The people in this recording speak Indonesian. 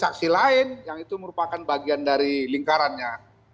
saksi lain yang itu merupakan bagian dari lingkarannya